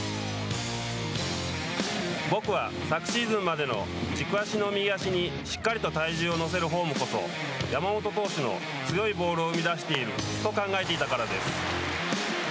僕は、昨シーズンまでの軸足の右足にしっかりと体重を乗せるフォームこそ山本投手の強いボールを生み出していると考えていたからです。